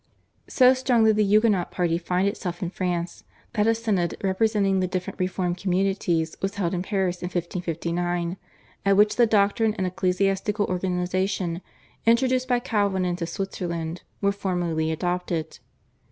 So strong did the Huguenot party find itself in France that a Synod representing the different reformed communities was held in Paris in 1559, at which the doctrine and ecclesiastical organisation introduced by Calvin into Switzerland were formally adopted.